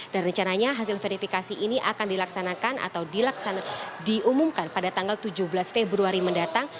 dan rencananya hasil verifikasi ini akan dilaksanakan atau diumumkan pada tanggal tujuh belas februari mendatang